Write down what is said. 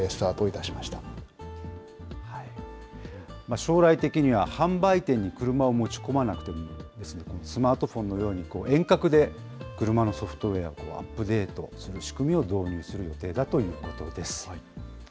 将来的には販売店に車を持ち込まなくても、スマートフォンのように遠隔で車のソフトウエアをアップデートする仕組みを導入する予定だということです。